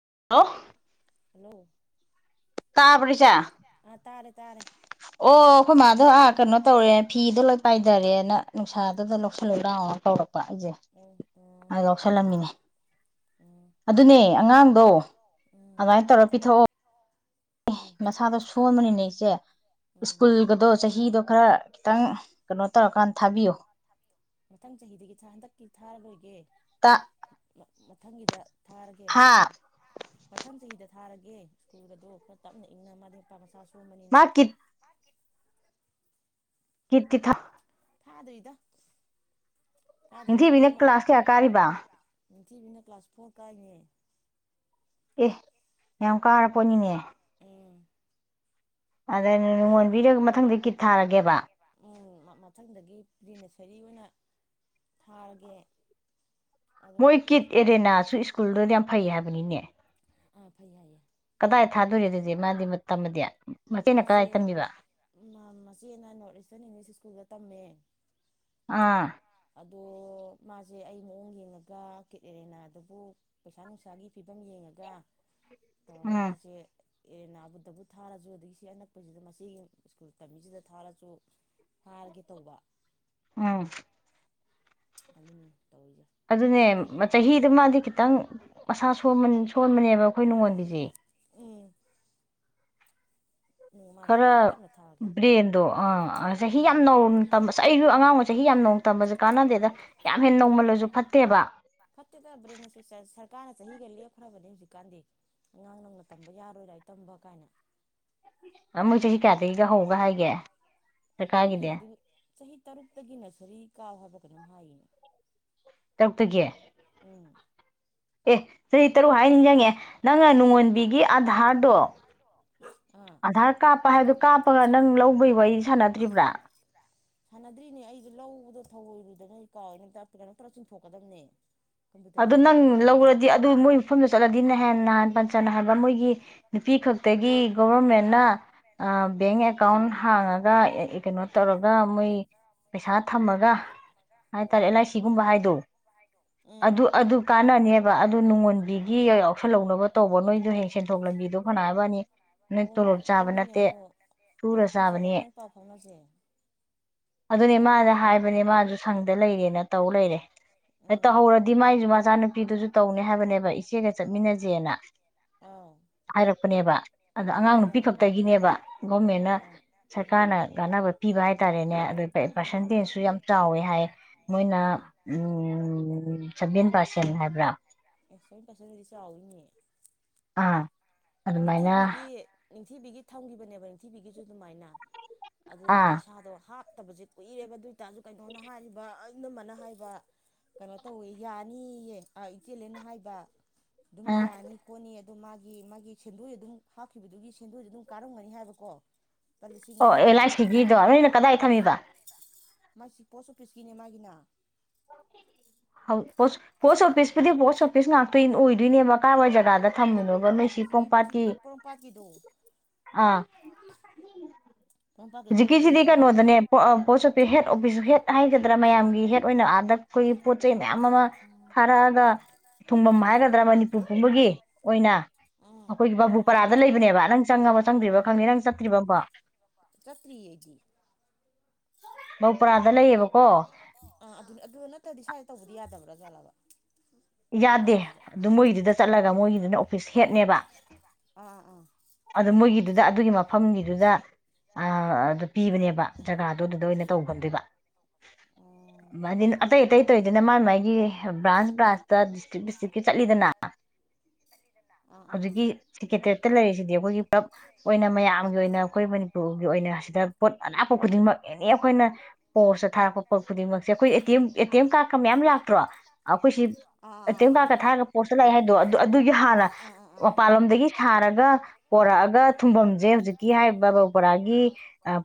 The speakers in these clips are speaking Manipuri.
[unintelligible] ꯍꯜꯂꯣ ꯇꯥꯕ꯭ꯔ ꯏꯆꯦ ꯇꯥꯔꯦ ꯑꯣ ꯑꯩꯈꯣꯏ ꯃꯥꯗꯣ ꯑꯥ ꯀꯩꯅꯣ ꯇꯧꯔꯦ ꯐꯤꯗꯣ ꯂꯣꯏ ꯄꯥꯏꯊꯔꯦꯅ ꯅꯨꯡꯁꯥꯗꯨꯗ ꯂꯧꯁꯜꯂꯨ ꯂꯥꯎꯑꯅꯥ [unintelligible] ꯄꯥ ꯑꯩꯖꯦ ꯑꯥ ꯂꯎꯁꯟꯂꯝꯃꯤꯅꯦ ꯑꯗꯨꯅꯦ ꯑꯉꯥꯡ ꯗꯣ ꯑꯃꯥꯏ ꯇꯧꯔ ꯄꯤꯊꯛꯑꯣ ꯑꯦ ꯃꯁꯥꯗꯣ ꯁꯣꯟꯕꯅꯤꯅꯦ ꯆꯦ ꯁ꯭ꯀꯨꯜꯒꯗꯣ ꯆꯍꯤꯗꯣ ꯈꯔ ꯈꯤꯇꯪ ꯀꯩꯅꯣ ꯇꯧꯔꯀꯥꯟ ꯃꯊꯪ ꯆꯍꯤꯗꯒꯤ ꯍꯟꯗꯛꯀꯤ ꯊꯥꯔꯣꯏꯒꯦ ꯇꯥꯛ ꯃꯊꯪꯒꯤꯗ ꯍꯥꯥ ꯃꯊꯪ ꯆꯍꯤꯗ ꯊꯥꯔꯒꯦ ꯁ꯭ꯀꯨꯜ ꯒꯗꯣ ꯈꯔ ꯇꯞꯅ ꯏꯪꯅ ꯃꯥꯗꯤ ꯃꯄꯥ ꯃꯆꯥꯁꯨ ꯃꯥ ꯀꯤꯠ ꯀꯤꯠ ꯀꯤ ꯊ__ ꯊꯥꯗ꯭ꯔꯤꯗ ꯅꯤꯡꯊꯤꯕꯤꯅ ꯀ꯭ꯂꯥꯁ ꯀꯌꯥ ꯀꯥꯔꯤꯕ ꯅꯤꯡꯊꯕꯤꯅ ꯀ꯭ꯂꯥꯁ ꯐꯣꯔ ꯀꯥꯏꯅꯦ ꯑꯦ ꯌꯥꯝ ꯀꯥꯔꯄꯣꯠꯅꯤꯅꯦ [unintelligible] ꯃꯊꯪꯗ ꯀꯤꯠ ꯊꯥꯔꯒꯦꯕ ꯊꯥꯔꯒꯦ ꯃꯣꯏ ꯀꯤꯠ ꯑꯦꯔꯦꯅꯥꯁꯨ ꯁ꯭ꯀꯨꯜꯗꯨꯗꯤ ꯌꯥꯝ ꯐꯩ ꯍꯥꯏ ꯕꯅꯤꯅꯦ ꯑ ꯐꯩ ꯍꯥꯏꯌꯦ ꯀꯗꯥꯏ ꯊꯥꯗꯣꯔꯤ ꯑꯗꯨꯗꯤ ꯃꯥꯗꯤ ꯇꯃꯗꯤ ꯃꯆꯦꯟꯅ ꯀꯔꯥꯏ ꯇꯝꯃꯤꯕ ꯇꯃꯦ ꯑꯥ ꯑꯗꯣ ꯃꯥꯁꯦ ꯑꯩ ꯃꯑꯣꯡ ꯌꯦꯡꯉꯒ ꯀꯦꯠ ꯑꯦꯔꯦꯅꯥꯗꯕꯨ ꯄꯩꯁꯥ ꯅꯨꯡꯁꯥꯒꯤ ꯐꯤꯕꯝ ꯌꯦꯡꯉꯒ ꯇꯣꯔꯒ ꯃꯥꯁꯦ ꯑꯦ ꯅꯥꯕꯨꯗꯕꯨ ꯊꯥꯔꯁꯨ ꯑꯗꯒꯤ ꯁꯤ ꯑꯅꯛꯄꯁꯤꯗ ꯃꯆꯦꯒꯤ ꯁ꯭ꯀꯨꯜ ꯇꯝꯃꯤꯁꯤꯗꯕꯨ ꯊꯥꯔꯁꯨ ꯊꯥꯔꯒꯦ ꯇꯧꯕ ꯎꯝ ꯑꯗꯨꯅꯤ ꯑꯗꯨꯅꯦ ꯆꯍꯤꯗꯨ ꯃꯥꯗꯤ ꯈꯤꯇꯪ ꯃꯁꯥ ꯁꯣꯟꯕꯅꯤꯅ ꯁꯣꯟꯕꯅꯦꯕ ꯑꯩꯈꯣꯏ ꯅꯨꯡꯉꯣꯟꯕꯤꯁꯦ ꯎꯝ ꯈꯔ ꯕ꯭ꯔꯦꯟꯗꯣ ꯑꯥ ꯆꯍꯤ ꯌꯥꯝ ꯅꯧꯅꯝꯕ ꯑꯩꯁꯨ ꯑꯉꯥꯡꯕ ꯆꯍꯤ ꯌꯥꯝ ꯅꯧꯅ ꯇꯝꯕꯁꯦ ꯀꯥꯟꯅꯗꯦꯗ ꯌꯥꯝ ꯍꯦꯟꯅ ꯅꯧꯃꯜꯂꯁꯨ ꯐꯠꯇꯦꯕ ꯀꯥꯏꯅ ꯆꯍꯤꯒ ꯂꯦꯞꯈ꯭ꯔꯕꯅꯤ ꯍꯧꯖꯤꯛꯀꯥꯟꯗꯤ ꯑꯉꯥꯡ ꯅꯧꯅ ꯇꯝꯕ ꯌꯥꯔꯣꯏ ꯂꯥꯏꯔꯤꯛ ꯇꯝꯕ ꯀꯥꯏꯅ ꯑ ꯃꯣꯏ ꯆꯁꯤ ꯀꯌꯥꯗꯒꯤꯒ ꯍꯧꯒ ꯍꯥꯏꯒꯦ ꯃꯣꯏ ꯍꯥꯏꯗꯤ ꯆꯍꯤ ꯇꯔꯨꯛꯇꯒꯤ ꯅꯁꯔꯤ ꯀꯥꯎ ꯍꯥꯏꯕ ꯈꯨꯔꯨꯝ ꯍꯌ ꯇꯥꯔꯨꯛ ꯇꯥꯒꯤ ꯑꯦ ꯆꯍꯤ ꯇꯔꯨꯛ ꯍꯥꯏꯔꯒꯥ ꯅꯤꯡꯁꯤꯡꯉꯦ ꯅꯪꯅ ꯅꯣꯡꯉꯣꯟꯕꯤꯒꯤ ꯑꯙꯥꯔꯗꯣ ꯑꯙꯥꯔ ꯀꯥꯞꯄ ꯍꯥꯏꯕꯗꯣ ꯀꯥꯞꯄꯒ ꯅꯪ ꯂꯧꯕꯒꯤ ꯋꯥꯔꯤ ꯁꯥꯟꯅꯗ꯭ꯔꯤꯕ꯭ꯔꯥ ꯁꯥꯟꯅꯗ꯭ꯔꯤꯅꯦ ꯑꯩꯁꯨ ꯂꯧꯕꯗꯣ ꯊꯧꯑꯣꯏꯔꯨꯗꯅ ꯀꯥꯎꯔꯨꯔꯦ ꯀꯩꯅꯣꯝ ꯄꯨꯔꯒꯥ ꯆꯤꯡꯊꯣꯛꯀꯗꯕꯅꯦ ꯑꯗꯨ ꯅꯪ ꯂꯧꯔꯗꯤ ꯑꯗꯨ ꯃꯣꯏ ꯃꯐꯝꯗ ꯆꯠꯂꯗꯤ ꯅꯍꯥꯟ ꯅꯍꯥꯟ ꯄꯟ ꯆꯟꯅ ꯍꯥꯏꯕ ꯃꯣꯏꯒꯤ ꯅꯨꯄꯤ ꯈꯛꯇꯒꯤ ꯒꯣꯚꯔꯃꯦꯟꯅ ꯕꯦꯡ ꯑꯦꯀꯥꯎꯟ ꯍꯥꯡꯉꯒ ꯀꯩꯅꯣ ꯇꯧꯔꯒ ꯃꯣꯏ ꯄꯩꯁꯥ ꯊꯝꯃꯒ ꯍꯥꯏꯇꯥꯔꯦ ꯑꯂꯥꯏꯁꯤꯒꯨꯝꯕ ꯍꯥꯏꯗꯣ ꯑꯗꯨ ꯑꯗꯨ ꯀꯥꯟꯅꯅꯤꯕ ꯑꯗꯨ ꯅꯣꯡꯉꯣꯟꯕꯤꯒꯤ ꯌꯥꯎꯁꯜꯍꯧꯅꯕ ꯇꯧꯕ ꯅꯣꯏꯗꯣ ꯍꯌꯦꯡ ꯁꯦꯟꯊꯣꯛ ꯂꯝꯕꯤꯗꯣ ꯐꯅꯥ ꯍꯥꯏꯕꯥ ꯋꯥꯅꯤ ꯅꯣꯏ ꯇꯣꯂꯣꯞ ꯆꯥꯕ ꯅꯠꯇꯦ ꯁꯨꯔ ꯆꯥꯕꯅꯤ ꯑꯗꯨꯅꯦ ꯃꯥꯗ ꯍꯥꯏꯕꯅꯦ ꯃꯥꯁꯨ ꯁꯪ ꯗ ꯂꯩꯔꯦꯅ ꯇꯧ ꯂꯩꯔꯦ ꯑ ꯇ ꯍꯧꯔ ꯏꯃꯥꯏꯁꯨ ꯃꯆꯥꯅꯨꯄꯤꯗꯨꯁꯨ ꯇꯧꯅꯤ ꯍꯥꯏꯕꯅꯦꯕ ꯏꯆꯦꯒ ꯆꯠꯃꯤꯟꯅꯁꯦꯅ ꯍꯥꯏꯔ ꯀꯅꯦꯕ ꯑꯗꯣ ꯑꯉꯥꯡ ꯅꯨꯄꯤ ꯈꯛꯇꯒꯤꯅꯦꯕ ꯒꯣꯔꯃꯦꯟꯅ ꯁꯔꯀꯥꯔꯅ ꯀꯥꯟꯅꯕ ꯄꯤꯕ ꯍꯥꯏꯇꯥꯔꯦꯅꯦ ꯑꯗ ꯄꯥꯔꯁꯦꯟꯇꯦꯁꯁꯨ ꯌꯥꯝ ꯆꯥꯎꯋꯦ ꯍꯥꯏ ꯃꯣꯏꯅ ꯎꯝ ꯁꯚꯦꯟ ꯄꯥꯔꯁꯦꯟꯠ ꯍꯥꯏꯕ꯭ꯔꯥ ꯑꯦ ꯁꯚꯦꯟ ꯄꯥꯔꯁꯦꯟꯠ ꯑꯣꯏꯔꯗꯤ ꯆꯥꯎꯋꯤꯅꯦ ꯑꯥ ꯅꯤꯡꯊꯤꯕꯤꯒꯤ ꯅꯤꯡꯊꯤꯕꯤꯒꯤ ꯊꯝꯈꯤꯕꯅꯦꯕ ꯅꯤꯡꯊꯤꯕꯤꯒꯤꯁꯨ ꯑꯗꯨꯃꯥꯏꯅ ꯑꯗꯣ ꯄꯩꯁꯥꯗꯣ ꯍꯥꯞ ꯇꯕꯁꯦ ꯀꯨꯏꯔꯦꯕ ꯑꯗꯨ ꯑꯣꯏꯇꯥꯔꯁꯨ ꯀꯩꯅꯣꯅ ꯍꯥꯏꯔꯤꯕ ꯏꯅꯝꯃꯅ ꯍꯥꯏꯕ ꯀꯩꯅꯣ ꯇꯧꯋꯦ ꯌꯥꯅꯤꯌꯦ ꯏꯆꯦꯜꯂꯦꯅ ꯍꯥꯏꯕ ꯑꯗꯨꯝ ꯌꯥꯅꯤ ꯈꯣꯠꯅꯤ ꯗꯣ ꯃꯥꯒꯤ ꯃꯥꯒꯤ ꯁꯦꯟꯗꯣꯏ ꯑꯗꯨꯝ ꯍꯥꯞꯈꯤꯕꯗꯨꯒꯤ ꯁꯦꯟꯗꯣꯏꯗꯤ ꯑꯗꯨꯝ ꯀꯥꯔꯝꯒꯅꯤ ꯍꯥꯏꯕꯀꯣ ꯑꯣ ꯑꯦꯜ ꯑꯏ ꯁꯤ ꯒꯤꯗꯣ ꯅꯣꯏꯅ ꯀꯗꯥꯏ ꯊꯝꯃꯤꯕ ꯃꯥꯏꯁꯤ ꯄꯣꯁ ꯑꯣꯐꯤꯁꯀꯤꯅꯦ ꯃꯥꯒꯤꯅ ꯍ ꯄꯣꯁ ꯄꯣꯁ ꯑꯣꯄꯤꯁ ꯑꯗꯨꯗꯤ ꯄꯣꯁ ꯑꯣꯐꯤꯁ ꯉꯥꯛꯇ ꯑꯣꯏꯗꯣꯏꯅꯦꯕ ꯀꯥꯏꯋꯥꯏ ꯖꯒꯥꯗ ꯊꯝꯃꯤꯅꯣꯕ ꯅꯣꯏꯁꯤ ꯄꯣꯝꯄꯥꯠꯀꯤ ꯑꯥ [inaudible] ꯍꯧꯖꯤꯛꯀꯤꯁꯤꯗꯤ ꯀꯩꯅꯣꯗꯅꯦ ꯄꯣ ꯑ ꯄꯣꯁ ꯑꯣꯐ ꯍꯦꯠ ꯑꯣꯐꯤꯁ ꯍꯦꯠ ꯍꯥꯏꯒꯗ꯭ꯔꯥ ꯃꯌꯥꯝꯒꯤ ꯍꯦꯠ ꯑꯣꯏꯅ ꯑꯥꯗ ꯑꯩꯈꯣꯏꯒꯤ ꯄꯣꯠ ꯆꯩ ꯃꯌꯥꯝ ꯑꯃ ꯊꯥꯔꯛꯑꯒ ꯊꯨꯡꯐꯝ ꯍꯥꯏꯒꯗ꯭ꯔꯥ ꯃꯅꯤꯄꯨꯔ ꯄꯨꯝꯕꯒꯤ ꯑꯣꯏꯅ ꯑꯩꯈꯣꯏꯒꯤ ꯕꯥꯕꯨ ꯄꯔꯥꯗ ꯂꯩꯕꯅꯦꯕ ꯅꯪ ꯆꯪꯉꯕ ꯆꯪꯗ꯭ꯔꯤꯕꯥ ꯈꯪꯗꯦ ꯅꯪ ꯆꯠꯇ꯭ꯔꯤꯕ ꯑꯝꯐꯣꯛ ꯆꯠꯇꯔꯤꯌꯦ ꯑꯩꯗꯤ ꯑ ꯑꯗꯨ ꯑꯗꯨꯗ ꯅꯠꯇ꯭ꯔꯗꯤ ꯁ꯭ꯋꯥꯏꯗ ꯇꯧꯕꯗꯤ ꯌꯥꯗꯕ꯭ꯔꯥ [unintelligible] ꯌꯥꯗꯦ ꯑꯗꯨ ꯃꯣꯏꯗꯨꯗ ꯆꯠꯂꯒ ꯃꯣꯏꯒꯤ [inaudible] ꯑꯣꯐꯤꯁ ꯍꯦꯠꯅꯦꯕ ꯑꯗꯨ ꯃꯣꯏꯒꯤꯗꯨꯗ ꯑꯗꯨꯒꯤ ꯃꯐꯝꯒꯤꯗꯨꯗ ꯑ ꯑꯗꯨ ꯄꯤꯕꯅꯦꯕ [inaudible] ꯖꯒꯥ ꯑꯗꯣ ꯗꯨꯗ ꯑꯣꯏꯅ ꯇꯧꯍꯟꯗꯣꯏꯕ ꯑꯇꯩ ꯑꯇꯩ ꯇꯧꯔꯤꯗꯨꯅ ꯃꯥꯏ ꯃꯥꯏꯒꯤ ꯕ꯭ꯔꯥꯟꯁ ꯕ꯭ꯔꯥꯟꯁ ꯗꯤꯁꯇ꯭ꯔꯤꯛ ꯗꯤꯁꯇ꯭ꯔꯤꯛꯀꯤ ꯆꯠꯂꯤꯗꯅ ꯍꯧꯖꯤꯛꯀꯤ ꯁꯦꯀꯦꯇ꯭ꯔꯦꯠ ꯇ ꯂꯩꯔꯤꯁꯤꯗꯤ ꯑꯈꯣꯏꯒꯤ ꯑꯣꯏꯅ ꯃꯌꯥꯝꯒꯤ ꯑꯣꯏꯅ ꯈꯣꯏ ꯃꯅꯤꯄꯨꯔꯒꯤ ꯑꯣꯏꯅ ꯁꯤꯗ ꯄꯣꯠ ꯑꯔꯥꯛꯄ ꯈꯨꯗꯤꯡꯃꯛ ꯑꯦꯅꯤ ꯑꯩꯈꯣꯏꯅ ꯄꯣꯁꯇ ꯊꯥꯔꯛꯄ ꯄꯣꯠ ꯈꯨꯗꯤꯡꯃꯛꯁꯦ ꯑꯩꯈꯣꯏ A T M A T M ꯀꯥꯔꯠꯀ ꯃꯌꯥꯝ ꯂꯥꯛꯇ꯭ꯔꯣ ꯑꯈꯣꯏꯁꯤ ꯑꯦ ꯇꯤ ꯑꯦꯝ ꯀꯥꯔꯠꯀ ꯊꯥꯔꯒ ꯄꯣꯁꯇ ꯂꯥꯛꯑꯦ ꯍꯥꯏꯗꯣ ꯑꯗꯨ ꯑꯗꯨꯒꯤ ꯍꯥꯟꯅ ꯃꯄꯥꯟꯂꯣꯝꯗꯒꯤ ꯁꯥꯔꯒ ꯄꯣꯔꯛꯑꯒ ꯊꯨꯡꯐꯝꯁꯦ ꯍꯧꯖꯤꯛꯀꯤ ꯍꯥꯏꯔꯤꯕ ꯕꯥꯕꯨꯄꯔꯥꯒꯤ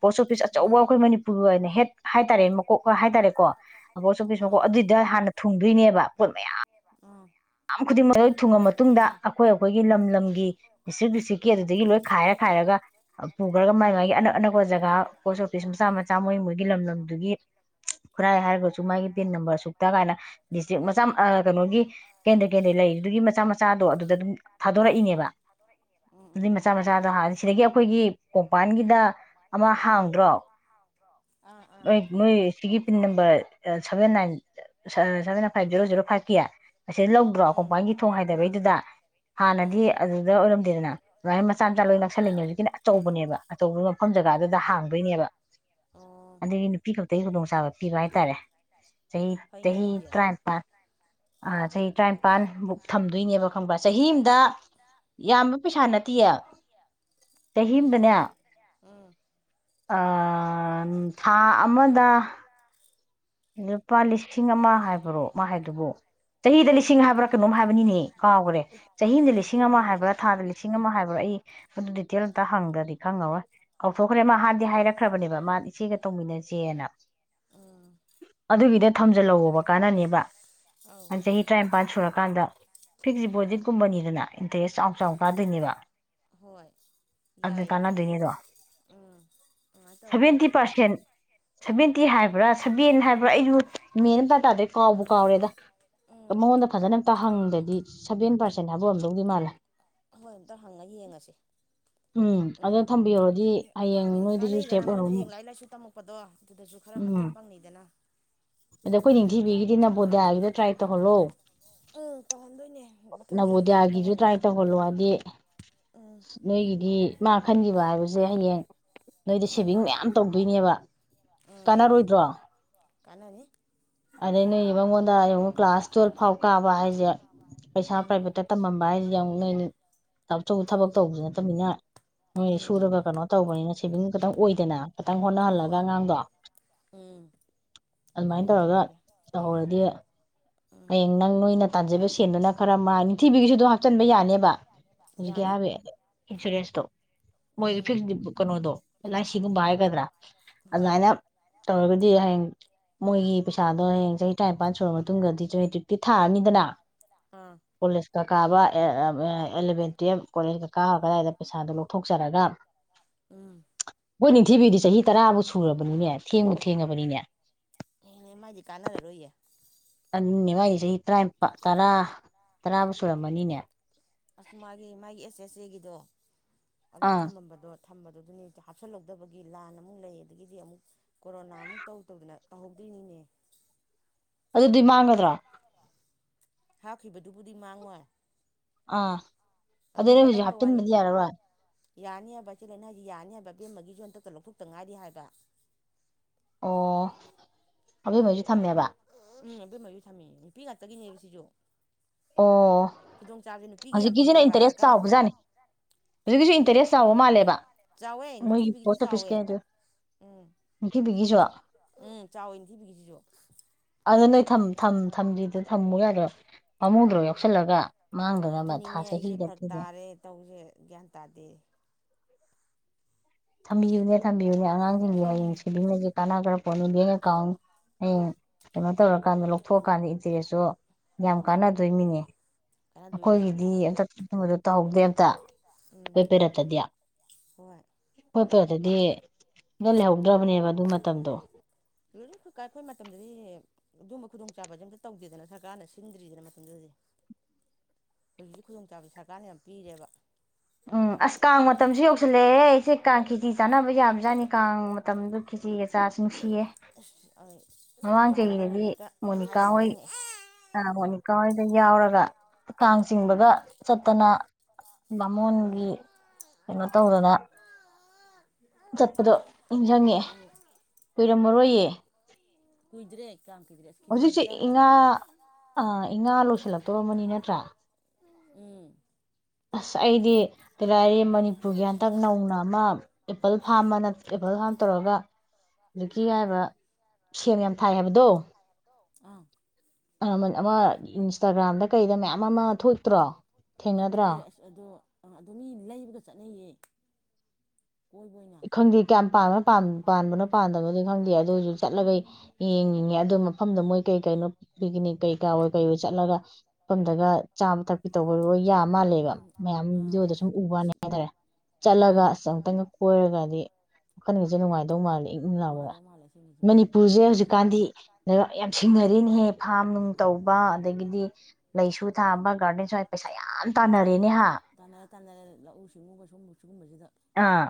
ꯄꯣꯁ ꯑꯣꯐꯤꯁ ꯑꯆꯧꯕ ꯑꯩꯈꯣꯏ ꯃꯅꯤꯄꯨꯔꯒꯤ ꯑꯣꯏꯅ ꯍꯦꯠ ꯍꯥꯏꯇꯥꯔꯦ ꯃꯀꯣꯛ ꯍꯥꯏ ꯇꯥꯔꯦꯀꯣ ꯄꯣꯁ ꯑꯣꯐꯤꯁ ꯃꯀꯣꯛ ꯑꯗꯨꯏꯗ ꯍꯥꯟꯅ ꯊꯨꯡꯗꯣꯏꯅꯦꯕ ꯄꯣꯠ ꯃꯌꯥꯝ ꯈꯨꯗꯤꯡꯃꯛ ꯂꯣꯏ ꯊꯨꯡꯉ ꯃꯇꯨꯡꯗ ꯑꯩꯈꯣꯏ ꯑꯩꯈꯣꯏꯒꯤ ꯂꯝ ꯂꯝꯒꯤ ꯗꯤꯁꯇ꯭ꯔꯤꯛ ꯗꯤꯁꯇ꯭ꯔꯤꯛꯀꯤ ꯑꯗꯨ ꯈꯥꯏꯔ ꯈꯥꯏꯔꯒ ꯄꯨꯈ꯭ꯔꯒ ꯃꯥꯏ ꯃꯥꯏꯒꯤ ꯑꯅꯛ ꯑꯅꯛꯄ ꯖꯒꯥ ꯄꯣꯁ ꯑꯣꯐꯤꯁ ꯃꯆꯥ ꯃꯆꯥ ꯃꯣꯏ ꯃꯣꯏꯒꯤ ꯂꯝ ꯂꯝꯗꯨꯒꯤ ꯈꯨꯔꯥꯏ ꯍꯥꯏꯔꯒꯁꯨ ꯃꯥꯒꯤ ꯄꯤꯟ ꯅꯝꯕꯔ ꯁꯨꯛꯇ ꯀꯥꯏꯅ ꯗꯤꯁꯇ꯭ꯔꯤꯛ ꯃꯆꯥ ꯑ ꯀꯩꯅꯣꯒꯤ ꯀꯦꯟꯗ꯭ꯔ ꯀꯦꯟꯗ꯭ꯔꯩ ꯂꯩꯔꯤꯗꯨꯒꯤ ꯃꯆꯥ ꯃꯆꯥꯗꯣ ꯑꯗꯨꯗ ꯑꯗꯨꯝ ꯊꯥꯗꯣꯔꯛꯏꯅꯦꯕ ꯑꯗꯨꯒꯤ ꯃꯆꯥ ꯃꯆꯥ ꯑꯣꯖꯥꯗꯣ ꯍ ꯁꯤꯗꯒꯤ ꯑꯩꯈꯣꯏꯒꯤ ꯀꯣꯡꯄꯥꯟꯒꯤꯗ ꯑꯃ ꯍꯥꯡꯗ꯭ꯔꯣ ꯅꯣꯏ ꯅꯣꯏ ꯁꯤꯒꯤ pin number seven nine seven ꯏ ꯐꯥꯏꯚ ꯖꯦꯔꯣ ꯖꯦꯔꯣ ꯐꯥꯏꯚ ꯀꯦ ꯑꯁꯤꯗ ꯂꯧꯗ꯭ꯔꯣ ꯀꯣꯡꯄꯥꯟꯒꯤ ꯊꯣꯡ ꯍꯥꯏꯗꯕꯩꯗꯨꯗ ꯍꯥꯟꯅꯗꯤ ꯑꯗꯨꯗ ꯑꯣꯏꯔꯝꯗꯦꯗꯅ ꯑꯗꯨꯃꯥꯏ ꯃꯆꯥ ꯃꯆꯥ ꯂꯣꯏ ꯅꯛꯁꯜꯂꯤꯅꯦ ꯍꯧꯖꯤꯛꯀꯤ ꯑꯆꯧꯕꯅꯦꯕ ꯑꯆꯧꯕ ꯃꯐꯝ ꯖꯒꯥꯗꯨꯗ ꯍꯥꯡꯗꯣꯏꯅꯦꯕ ꯑꯗꯒꯤ ꯅꯨꯄꯤ ꯑꯇꯩ ꯈꯨꯗꯣꯡꯆꯥꯕ ꯄꯤꯕ ꯍꯥꯏꯇꯥꯔꯦ ꯆꯍꯤ ꯆꯍꯤ ꯇ꯭ꯔꯥꯝꯄꯥꯟ ꯑ ꯆꯍꯤ ꯇꯔꯥꯅꯤꯄꯥꯟꯃꯨꯛ ꯊꯝꯗꯣꯏꯅꯦꯕ ꯈꯪꯕꯁꯦ ꯆꯍꯤ ꯑꯃꯗ ꯌꯥꯝꯕ ꯄꯩꯁꯥ ꯅꯠꯇꯦꯌꯦ ꯆꯍꯤ ꯑꯃꯗꯅꯦ ꯊꯥ ꯑꯃꯗ [unintelligible] ꯂꯨꯄꯥ ꯂꯤꯁꯤꯡ ꯑꯃ ꯍꯥꯏꯕ꯭ꯔꯣ ꯃꯅꯥ ꯍꯥꯏꯗꯨꯕ‌ꯣ ꯆꯍꯤꯗ ꯂꯤꯁꯤꯡ ꯍꯥꯏꯕ꯭ꯔꯥ ꯀꯩꯅꯣꯝ ꯍꯥꯏꯕꯅꯤꯅꯦ ꯀꯥꯎꯈ꯭ꯔꯦ ꯆꯍꯤꯗ ꯂꯤꯁꯤꯡ ꯑꯃ ꯍꯥꯏꯕ꯭ꯔꯥ ꯊꯥꯗ ꯂꯤꯁꯤꯡ ꯑꯃ ꯍꯥꯏꯕ꯭ꯔꯥ ꯑꯩ ꯑꯗꯨ ꯗꯤꯇꯦꯜ ꯑꯝꯇ ꯍꯪꯗ꯭ꯔꯗꯤ ꯈꯪꯉꯔꯣꯏ ꯀꯥꯎꯊꯣꯛꯈ꯭ꯔꯦ ꯃꯥ ꯍꯥꯟꯗꯤ ꯍꯥꯏꯔꯛꯈ꯭ꯔꯕꯅꯦꯕ ꯃꯥꯗꯤ ꯏꯆꯦꯒ ꯇꯧꯃꯤꯟꯅꯁꯦꯅ ꯑꯗꯨꯒꯤꯗ ꯊꯝꯖꯤꯜꯂꯑꯣꯕ ꯀꯥꯟꯅꯅꯦꯕ ꯆꯍꯤ ꯇꯔꯥꯅꯤꯄꯥꯟ ꯁꯨꯔꯀꯥꯟꯗ ꯐꯤꯛꯁ ꯗꯤꯄꯣꯖꯤꯠꯀꯨꯝꯕꯅꯤꯗꯅ ꯏꯟꯇꯔꯦꯁ ꯆꯥꯎ ꯆꯥꯎ ꯀꯥꯗꯣꯏꯅꯦꯕ ꯑꯗꯨ ꯀꯥꯟꯅꯗꯣꯏꯅꯤꯗꯣ ꯁꯚꯦꯟꯇꯤ ꯄꯥꯔꯁꯦꯟ ꯁꯚꯦꯟꯇꯤ ꯍꯥꯏꯕ꯭ꯔꯥ ꯁꯕꯦꯟ ꯍꯥꯏꯕ꯭ꯔꯥ ꯑꯩꯁꯨ ꯃꯦꯟ ꯑꯝ ꯏꯇꯥ ꯇꯥꯗꯦ ꯀꯥꯎꯕ ꯀꯥꯎꯔꯦꯗ ꯃꯉꯣꯟꯗ ꯐꯖꯅ ꯑꯝꯇ ꯍꯪꯗ꯭ꯔꯗꯤ ꯁꯚꯦꯟ ꯄꯔꯁ ꯁꯦꯅꯥꯕꯨ ꯑꯃꯝꯗꯧꯗꯤ ꯃꯥꯜꯂꯦ ꯍꯣꯏ ꯑꯝꯇ ꯍꯪꯉ ꯌꯦꯡꯉꯁꯤ ꯎꯝ ꯍꯥꯏ ꯀꯥꯟꯅꯩꯗꯅ ꯃꯣꯏꯅ ꯍꯌꯦꯡ ꯂꯥꯏꯔꯤꯛ ꯂꯥꯏꯁꯨ ꯇꯝꯃꯛꯄꯗꯣ ꯑꯗꯨꯗꯁꯨ ꯈꯔ ꯃꯇꯦꯡ ꯄꯥꯡꯅꯩ ꯑꯗ ꯑꯩꯈꯣꯏ ꯅꯤꯡꯊꯤꯕꯤꯒꯤꯗꯤ ꯅꯕꯣꯗꯤꯌꯥꯒꯤꯗꯣ ꯇ꯭ꯔꯥꯏ ꯇꯧꯍꯜꯂꯣ ꯅꯕꯣꯗꯤꯌꯥꯒꯤꯁꯨ ꯇ꯭ꯔꯥꯏ ꯇꯧꯍꯜꯂꯣ ꯑꯗꯤ ꯅꯣꯏꯒꯤꯗꯤ ꯃꯥ ꯈꯟꯈꯤꯕ ꯍꯥꯏꯕꯁꯦ ꯍꯌꯦꯡ ꯅꯣꯏꯗ ꯁꯦꯚꯤꯡ ꯃꯌꯥꯝ ꯇꯧꯗꯣꯏꯅꯦꯕ ꯀꯅꯥꯔ‌ꯣꯏꯗ꯭ꯔ‌ꯣ ꯀꯥꯟꯅꯅꯤ ꯑꯗꯩꯅ‌ꯦ ꯃꯉ‌ꯣꯟ ꯗ ꯌꯦꯡꯉꯛ ꯀ꯭ꯂꯥꯁ ꯇꯨꯌꯦꯜꯐ ꯐꯥꯎ ꯀꯥꯕ ꯍꯥꯏꯁꯦ ꯄꯩꯁꯥ ꯄ꯭ꯔꯥꯏꯚꯦꯠꯇ ꯇꯝꯃꯝꯕ ꯍꯥꯏꯁꯦ ꯌꯦꯡꯉꯛ ꯅꯣꯏ ꯊꯥꯃ‌ꯣꯆꯧ ꯊꯕꯛ ꯇꯧꯕꯥꯁꯨ ꯅꯠꯇꯃꯤꯅ ꯍꯣꯏ ꯁꯨꯔꯒ ꯀꯩꯅꯣ ꯇꯧꯕꯅꯤꯅ ꯁ‌ꯦꯚꯤꯡ ꯈꯤꯇꯪ ꯑꯣꯏꯗꯅ ꯈꯤꯇꯪ ꯍꯣꯠꯅꯍꯜꯂꯒ ꯑꯉꯥꯡꯗꯣ ꯑꯗꯨꯃꯥꯏꯅ ꯇꯧꯔꯒ ꯇꯧꯍꯧꯔꯗꯤ ꯍꯌꯦꯡ ꯅꯪ ꯅꯣꯏꯅ ꯇꯥꯟꯖꯕꯨ ꯁꯦꯟꯗꯨꯅꯥ ꯈꯔ ꯅꯤꯡꯊꯤꯕꯤꯒꯤꯁꯨ ꯑꯗꯨꯣ ꯍꯥꯞꯆꯤꯟꯕ ꯌꯥꯅꯦꯕ ꯍꯧꯖꯤꯛꯀꯤ ꯍꯥꯏꯕ ꯏꯟꯁꯨꯔꯦꯟꯁꯇꯣ ꯃꯣꯏꯒꯤ ꯐꯤꯜ ꯀꯩꯅꯣꯗꯣ ꯑꯦꯜꯑꯥꯏꯁꯤꯒꯨꯝꯕꯥ ꯍꯥꯏꯒꯗ꯭ꯔꯥ ꯑꯗꯨꯃꯥꯏꯅ ꯇꯧꯔꯥꯒ ꯗꯤ ꯍꯌꯦꯡ ꯃꯣꯏꯒꯤ ꯄꯩꯁꯥꯗꯣ ꯍꯌꯦꯡ ꯆꯍꯤ ꯇꯔꯥꯅꯤꯄꯥꯟ ꯁꯨꯔ ꯃꯇꯨꯡꯗꯗꯤ ꯃꯦꯇ꯭ꯔꯤꯛꯇꯤ ꯊꯥꯔꯅꯤꯗꯅ ꯑꯥ ꯀ ꯀꯥꯕ ꯑꯦꯂꯚꯦꯟ ꯇꯨꯌꯦꯜꯞ ꯀꯣꯂꯦꯖ ꯀ ꯀꯥꯔ ꯀꯗꯥꯏꯗ ꯄꯩꯁꯥꯗꯣ ꯂꯧꯊꯣꯛꯆꯔꯒ ꯎꯝ ꯍꯣꯏ ꯅꯤꯡꯊꯤꯕꯤꯗꯤ ꯆꯍꯤ ꯇꯔꯥꯕꯨ ꯁꯨꯔꯕꯅꯤꯅꯦ ꯊꯦꯡꯕ ꯊꯦꯡꯉꯕꯅꯤꯅꯦ ꯃꯥꯗꯤ ꯀꯥꯟꯅꯔꯔꯣꯏꯌꯦ ꯑꯅꯦ ꯋꯥꯏ ꯆꯍꯤ ꯇꯔꯥꯅꯤꯄꯥ ꯇꯔꯥ ꯇꯔꯥꯕꯨꯨꯛ ꯁꯨꯔꯝꯃꯅꯤꯅꯦ ꯑꯁ ꯃꯥꯒꯤ ꯃꯥꯒꯤ ꯑꯦꯁ ꯑꯦꯁ ꯑꯦꯒꯤꯗꯣ ꯑꯗꯨ ꯊꯝꯃꯝꯕꯗꯣ ꯊꯝꯕꯗꯗꯨꯅꯦ ꯍꯥꯞꯆꯜꯍꯧꯗꯕꯒꯤ ꯂꯥꯟ ꯑꯃꯨꯛ ꯂꯩ ꯑꯗꯒꯤꯗꯤ ꯑꯃꯨꯛ ꯀꯣꯔꯣꯅꯥ ꯑꯃꯨꯛ ꯇꯧꯗꯧꯗꯅ ꯇꯧꯍꯧꯗꯔꯤꯅꯤꯅꯦ ꯑꯗꯨꯗꯤ ꯃꯥꯡꯒꯗ꯭ꯔꯥ ꯍꯥꯞꯈꯤꯕꯗꯨꯕꯨꯗꯤ ꯃꯥꯡꯉꯣꯏ ꯑꯥ ꯑꯗꯨꯅꯦ ꯍꯧꯖꯤꯛ ꯍꯥꯞꯆꯤꯟꯕꯗꯤ ꯌꯥꯔꯔꯣꯏ ꯌꯥꯅꯤ ꯍꯥꯏꯕ ꯏꯆꯦ ꯂꯥꯏꯅꯥ ꯍꯥꯏꯁꯤ ꯌꯥꯅꯤ ꯍꯥꯏꯕ ꯕꯦꯝꯃꯒꯤꯁꯨ ꯍꯟꯇꯛꯇ ꯂꯧꯊꯣꯛꯇ ꯉꯥꯏꯔꯤ ꯍꯥꯏꯕ ꯑꯣ ꯑꯗꯨꯗꯣ ꯎꯝ ꯃ ꯊꯃꯤ ꯅꯨꯄꯤ ꯉꯥꯛꯇꯒꯤꯅꯦꯕ ꯁꯤꯁꯨ ꯑꯣ ꯍꯧꯖꯤꯛꯀꯤꯁꯤꯅ ꯏꯟꯇꯔꯦꯁ ꯆꯥꯎꯕꯖꯥꯠꯅꯤ ꯍꯧꯖꯤꯛꯀꯤꯁꯨ ꯏꯟꯇꯔꯦꯁ ꯆꯥꯎꯕ ꯃꯥꯜꯂꯦꯕ ꯃꯣꯏꯒꯤ ꯄꯣꯁ ꯑꯣꯐꯤꯁꯀꯤ ꯑꯗꯨ ꯅꯤꯡꯊꯤꯕꯤꯒꯤꯁꯨ ꯎꯝ ꯆꯥꯎꯋꯦ ꯅꯤꯡꯊꯤꯕꯤꯒꯤꯁꯤꯁꯨ ꯑꯗꯨ ꯅꯣꯏ ꯊꯝꯖꯤꯗ ꯊꯝꯃꯨ ꯌꯥꯗꯣ ꯄꯥꯝꯃꯨꯗ꯭ꯔꯣ ꯌꯥꯎꯁꯜꯂꯒ ꯑꯗꯨꯅꯤꯅꯦ ꯑꯩꯁꯦ ꯐꯔꯛ ꯇꯥꯔꯦ ꯇꯧꯁꯦ ꯭ꯒꯌꯥꯟ ꯇꯥꯗꯦ ꯊꯝꯕꯤꯌꯨꯅꯦ ꯊꯝꯕꯤꯌꯨꯅꯦ ꯑꯉꯥꯡꯁꯤꯡꯒꯤ ꯍꯌꯦꯡ ꯁꯦꯚꯤꯡ ꯀꯥꯟꯅꯈ꯭ꯔ ꯄꯣꯠꯅꯤ ꯕꯦꯡ ꯑꯦꯀꯥꯎꯟ ꯍꯌꯦꯡ ꯀꯩꯅꯣ ꯇꯧꯔꯀꯥꯟꯗ ꯂꯧꯊꯣꯛꯑꯀꯥꯟꯗ ꯏꯟꯇꯔꯦꯁꯁꯨ ꯌꯥꯝ ꯀꯥꯟꯅꯗꯣꯏ ꯃꯤꯅꯦ ꯑꯩꯈꯣꯏꯒꯤꯗꯤ ꯑꯇ ꯑꯗꯨ ꯃꯗꯨ ꯇꯧꯍꯧꯗꯦ ꯑꯝꯇ ꯑꯩꯏ ꯄꯔꯠꯇꯗꯤꯣꯏ ꯗꯗꯤꯦ ꯑꯗꯨꯎ ꯀꯛꯄꯣꯏ ꯃꯇꯝꯗꯗꯤ ꯑꯗꯨꯝꯕ ꯈꯨꯗꯣꯡꯆꯥꯕꯁꯦ ꯑꯝꯇ ꯇꯧꯗꯦꯗꯅ ꯁꯔꯀꯥꯔꯅ ꯁꯤꯟꯗ꯭ꯔꯤꯗꯅ ꯃꯇꯝꯗꯨꯗꯗꯤ ꯍꯧꯖꯤꯛꯁꯨ ꯈꯨꯗꯣꯡꯆꯥꯕꯁ ꯁꯔꯀꯥꯔꯅ ꯌꯥꯝ ꯄꯤꯔꯦꯕ ꯎꯝ ꯑꯁ ꯀꯥꯡ ꯃꯇꯝꯁꯨ ꯌꯧꯁꯤꯜꯂꯛꯑꯦ ꯑꯩꯁꯦ ꯀꯦꯖꯤ ꯆꯥꯅꯕ ꯌꯥꯝꯖꯥꯠꯅꯤ ꯀꯥꯡ ꯃꯇꯝꯗ ꯀꯦꯖꯤꯒꯆꯥꯁꯨ ꯅꯨꯡꯁꯤꯌꯦ ꯎ ꯃꯃꯥꯡ ꯆꯍꯤꯗꯗꯤ ꯃꯣꯅꯤꯀꯥ ꯍꯣꯏ ꯃꯣꯅꯤꯀꯥꯍꯣꯏ ꯕꯦꯟꯗꯤꯌꯥ ꯌꯥꯎꯔꯒ ꯀꯥꯡ ꯆꯤꯡꯕꯒ ꯆꯠꯇꯅ ꯕꯥꯃꯣꯟꯒꯤ ꯀꯩꯅꯣ ꯇꯧꯗꯅ ꯆꯠꯄꯗꯣ ꯅꯤꯡꯖꯪꯉꯛꯑꯦ ꯀꯨꯏꯔꯝꯃꯔꯣꯏꯌꯦ ꯑ ꯗꯨ꯭ꯔꯦ ꯍꯧꯖꯤꯛꯁꯦ ꯏꯉꯥ ꯏꯉꯥ ꯂꯣꯏꯁꯤꯜꯂꯛꯇꯣꯔꯃꯅꯤ ꯅꯠꯇ꯭ꯔꯥ ꯎꯝ ꯑꯁ ꯑꯩꯗꯤ ꯇꯤꯂꯥꯔꯤ ꯃꯅꯤꯄꯨꯔꯒꯤ ꯍꯟꯇꯛ ꯅꯧꯅ ꯑꯃ ꯑꯦꯄꯜ ꯐꯥꯔꯝ ꯑꯃꯅ ꯑꯦꯄꯜ ꯐꯥꯔꯝ ꯇꯧꯔꯒ [unintelligible] ꯁꯦꯝ ꯌꯥꯝ ꯊꯥꯏ ꯍꯥꯏꯕꯗꯣ ꯑꯥ ꯑꯃ ꯏꯟꯁꯇꯥꯒ꯭ꯔꯥꯝꯗ ꯀꯩꯗ ꯃꯌꯥꯝ ꯃꯃꯥ ꯊꯣꯛꯇ꯭ꯔꯣ ꯊꯦꯡꯅꯗ꯭ꯔꯣ ꯑꯗꯣ ꯑꯗꯨ ꯃꯤ ꯂꯩꯕꯒ ꯆꯠꯅꯩꯌꯦ ꯏꯈꯪꯗꯦ ꯀꯌꯥꯝ ꯄꯥꯝ ꯄꯥꯟꯕꯅꯣ ꯄꯥꯟꯗꯕꯅꯣ ꯈꯪꯗꯦ ꯑꯗꯨ ꯑꯣꯏꯁꯨ ꯆꯠꯂꯒ ꯌꯦꯡꯅꯤꯡꯉꯦ ꯑꯗꯨ ꯃꯐꯝꯗ ꯃꯣꯏ ꯀꯩ ꯀꯩꯅꯣ ꯄꯤꯀꯅꯤꯛ ꯀꯩ ꯀꯥ ꯑꯣꯏ ꯀꯩꯕꯣꯏ ꯆꯠꯂꯒ ꯃꯐꯝꯗꯒ ꯆꯥꯕꯤ ꯊꯛꯄꯤ ꯇꯧꯕ [unintelligible] ꯌꯥ ꯃꯥꯜꯂꯦꯕ ꯃꯌꯥꯝ ꯕꯤꯗꯤꯑꯣꯗ ꯁꯨꯝ ꯎꯕꯅꯦ ꯍꯥꯏꯇꯥꯔꯦ ꯆꯠꯂꯒ ꯑꯁ ꯑꯃꯇꯪꯒ ꯍꯥꯏꯗꯤ ꯋꯥꯈꯜꯒꯁꯦ ꯅꯨꯡꯉꯥꯏꯗꯧ ꯃꯥꯜꯂꯤ ꯏꯪ ꯏꯪ ꯂꯥꯎꯋꯦ ꯃꯅꯤꯄꯨꯔꯁꯦ ꯍꯧꯖꯤꯛꯀꯥꯟꯗꯤ ꯂꯩꯕꯥꯛ ꯌꯥꯝ ꯁꯤꯡꯅꯔꯦꯅꯦꯍꯦ ꯐꯥꯝ ꯅꯨꯡ ꯇꯧꯕ ꯑꯗꯒꯤꯗꯤ ꯂꯩꯁꯨ ꯊꯥꯕ ꯒꯥꯔꯗꯦꯟ ꯁ꯭ꯋꯥꯏ ꯄꯩꯁꯥ ꯌꯥꯝ ꯇꯥꯅꯔꯦꯅꯦ ꯍꯥ ꯑꯥ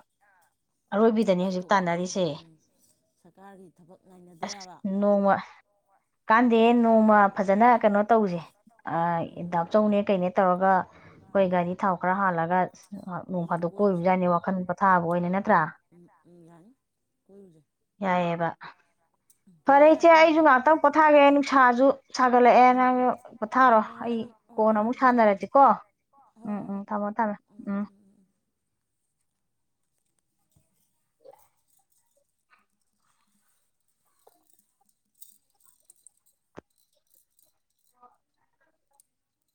ꯑꯔꯣꯏꯕꯤꯗꯅꯤ ꯍꯧꯖꯤꯛ ꯇꯥꯟꯅꯔꯤꯁꯦ ꯑꯁ ꯅꯣꯡꯃ ꯀꯥꯟꯗꯦ ꯅꯣꯡꯃ ꯐꯖꯅ ꯀꯩꯅꯣ ꯇꯧꯁꯦ ꯗꯥꯆꯧꯅꯦ ꯀꯩꯅꯦ ꯇꯧꯔꯒ ꯑꯩꯈꯣꯏ ꯒꯥꯔꯤ ꯊꯥꯎ ꯈꯔ ꯍꯥꯜꯂꯒ ꯅꯣꯡ ꯐꯥꯗꯣꯛ ꯀꯣꯏꯔꯨ ꯌꯥꯏꯅꯦ ꯋꯥꯈꯜ ꯄꯣꯊꯥꯕ ꯑꯣꯏꯅ ꯅꯠ [unintelligible] [inaudible] ꯎꯝ ꯌꯥꯅꯤ ꯌꯥꯏꯌꯦꯕ ꯐꯔꯦ ꯏꯆꯦ ꯑꯩꯁꯨ ꯉꯥꯛꯇꯪ ꯄꯣꯊꯥꯒꯦ ꯅꯨꯡꯁꯥꯁꯨ ꯁꯥꯒꯠꯂꯛꯑꯦ ꯅꯪ ꯄꯣꯊꯥꯔꯣ ꯑꯩ ꯀꯣꯟꯅ ꯑꯃꯨꯛ ꯁꯥꯟꯅꯔꯁꯤꯀꯣ ꯎꯝ ꯎꯝ ꯊꯝꯃꯣ ꯊꯝꯃꯦ ꯎꯝ